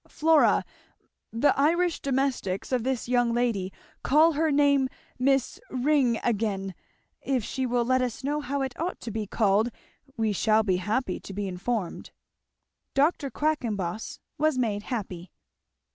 "Flora, the Irish domestics of this young lady call her name Miss Ring again if she will let us know how it ought to be called we shall be happy to be informed." Dr. Quackenboss was made happy.